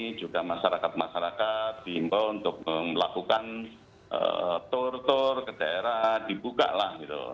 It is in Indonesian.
ini juga masyarakat masyarakat bimbang untuk melakukan tur tur ke daerah dibuka lah gitu